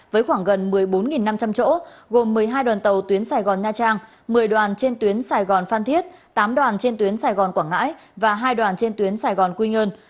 với khoảng gần một mươi bốn năm trăm linh chỗ gồm một mươi hai đoàn tàu tuyến sài gòn nha trang một mươi đoàn trên tuyến sài gòn phan thiết tám đoàn trên tuyến sài gòn quảng ngãi và hai đoàn trên tuyến sài gòn quy nhơn